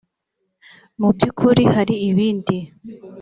mu by ukuri hari ibindi